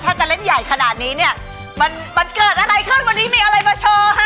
ถ้าจะเล่นใหญ่ขนาดนี้เนี่ยมันมันเกิดอะไรขึ้นวันนี้มีอะไรมาโชว์ฮะ